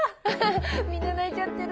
みんな泣いちゃってる。